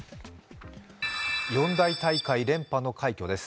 四大大会連覇の快挙です。